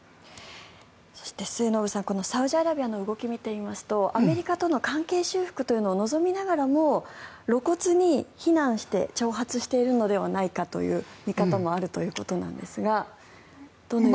そして、末延さんサウジアラビアの動きを見ていますとアメリカとの関係修復を望みながらも露骨に非難して挑発しているのではないかという見方もあるということですがどのように。